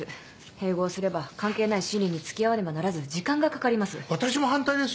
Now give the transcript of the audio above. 併合すれば関係ない審理に付き合わねばならず時間がかかります。